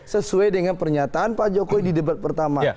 sesuai dengan pernyataan pak jokowi di debat pertama